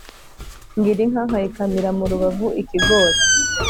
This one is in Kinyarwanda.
Ngira inka nkayikamira mu rubavu-Ikigori.